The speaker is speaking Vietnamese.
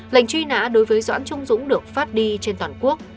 lệnh truy nã đối với doãn trung dũng được phát đi trên toàn quốc